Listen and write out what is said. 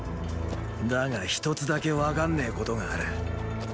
だが一つだけ分かんねェことがある。